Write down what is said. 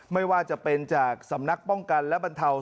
ไม่ว่าจะเป็นจากสำนักป้องกันและบรรเทา